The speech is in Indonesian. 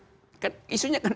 bukan soal hitungan kebutuhan